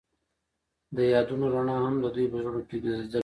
د یادونه رڼا هم د دوی په زړونو کې ځلېده.